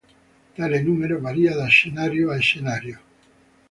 Tale numero varia da scenario a scenario.